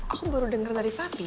aku baru denger dari papi